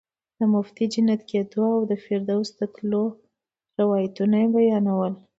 د متوفي د جنتي کېدو او فردوس ته د تلو روایتونه یې بیانول.